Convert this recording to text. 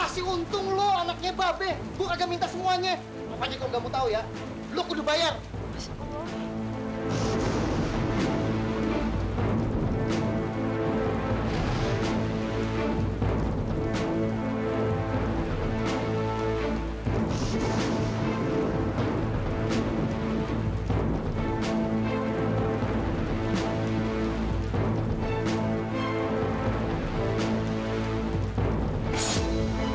siang laman tega banget sih sama ibu